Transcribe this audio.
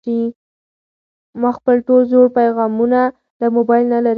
ما خپل ټول زوړ پيغامونه له موبایل نه لرې کړل.